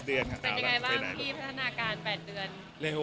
เป็นยังไงบ้างพี่พัฒนาการ๘เดือน